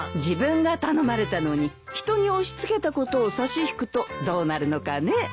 自分が頼まれたのに人に押し付けたことを差し引くとどうなるのかね。